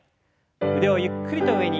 腕をゆっくりと上に。